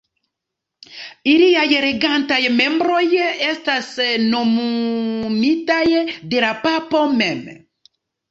Iliaj regantaj membroj estas nomumitaj de la papo mem.